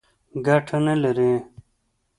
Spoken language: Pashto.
ګټه نه لري.